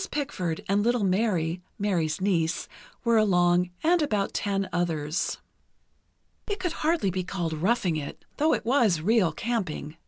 Pickford and little Mary (Mary's niece) were along, and about ten others. It could be hardly be called roughing it, though it was real camping.